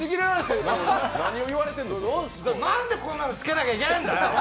なんでこんなのつけなきゃいけないんだよ！